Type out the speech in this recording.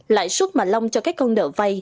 lãi suất mà long cho các con nợ vây